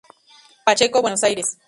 Pacheco, Buenos Aires.